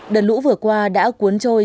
đợt lũ vừa qua đã cuốn trôi